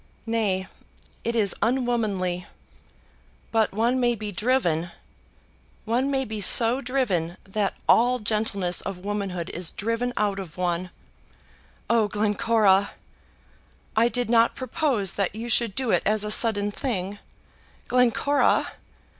"Nay, it is unwomanly; but one may be driven. One may be so driven that all gentleness of womanhood is driven out of one." "Oh, Glencora!" "I did not propose that you should do it as a sudden thing." "Glencora!"